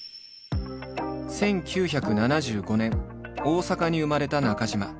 １９７５年大阪に生まれた中島。